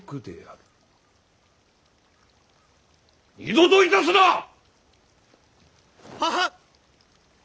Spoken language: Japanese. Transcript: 二度といたすな！ははっ！